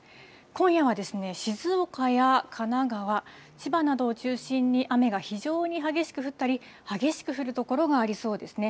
今夜は静岡や神奈川、千葉などを中心に雨が非常に激しく降ったり、激しく降る所がありそうですね。